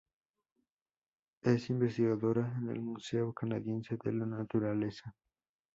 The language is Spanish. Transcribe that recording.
Es investigadora en el Museo Canadiense de la Naturaleza.